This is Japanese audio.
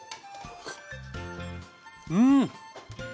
うん。